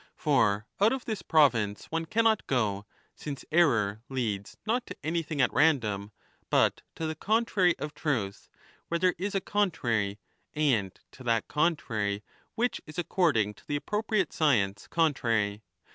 For out of this province one cannot go, since error leads not to anything at random but to the contrary of truth where there is a con 35 trary, and to that contrary which is according to the appro priate science contrary.